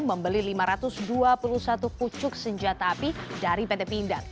membeli lima ratus dua puluh satu pucuk senjata api dari pt pindad